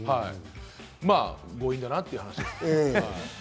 強引だなっていう話です。